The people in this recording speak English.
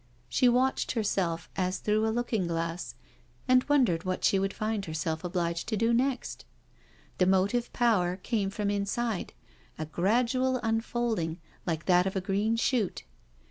She watched herself as through a looking glass, and wondered what she would find herself obliged to do next. The motive power came from inside, a gradual unfolding, like that of a green shoot.